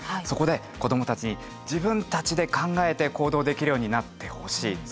そこで子どもたちに自分たちで考えて行動できるようになってほしい。